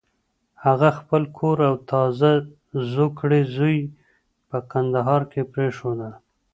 هغه خپل کور او تازه زوکړی زوی په کندهار کې پرېښودل.